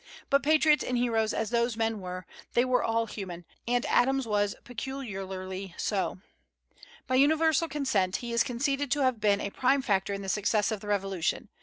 But patriots and heroes as those men were, they were all human; and Adams was peculiarly so. By universal consent he is conceded to have been a prime factor in the success of the Revolution.